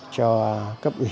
cho cấp ủy